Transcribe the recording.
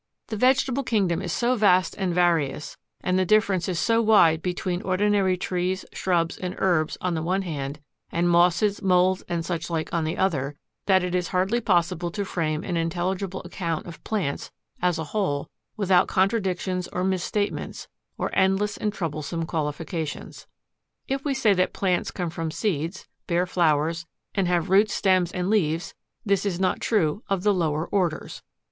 5. The vegetable kingdom is so vast and various, and the difference is so wide between ordinary trees, shrubs, and herbs on the one hand, and mosses, moulds, and such like on the other, that it is hardly possible to frame an intelligible account of plants as a whole without contradictions or misstatements, or endless and troublesome qualifications. If we say that plants come from seeds, bear flowers, and have roots, stems, and leaves, this is not true of the lower orders.